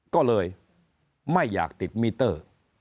ก็เลยไม่อยากติดมิเตอร์